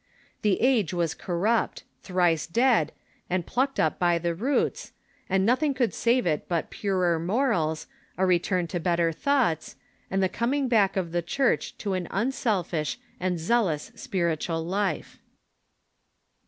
The age was corrupt, thrice dead, and plucked up by the roots, and nothing could save it but purer morals, a THE DEKALDS OF TKOTESTANTISM 205 return to better tliougbts, and the coming back of the Church to an unselfish and zealous spiritual life.